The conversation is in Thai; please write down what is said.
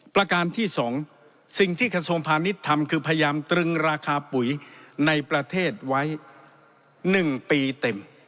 ประการที่สองสิ่งที่ขสมภารินิษฐ์ทำคือพยายามตรึงราคาปุ๋ยในประเทศไว้๑ปีเต็ม